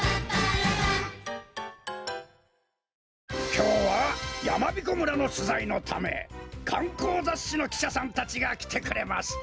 きょうはやまびこ村のしゅざいのためかんこうざっしのきしゃさんたちがきてくれました！